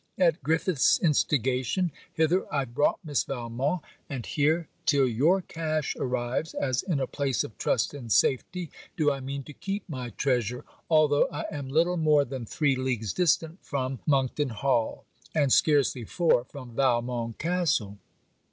At Griffiths' instigation, hither I brought Miss Valmont; and here, till your cash arrives, as in a place of trust and safety, do I mean to keep my treasure, although I am little more than three leagues distant from Monkton Hall, and scarcely four from Valmont castle.